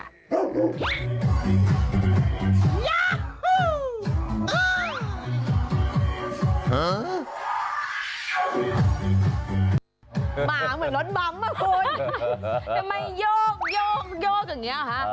หมาเหมือนรถบังเมื่อคุณ